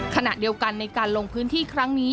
ขณะเดียวกันในการลงพื้นที่ครั้งนี้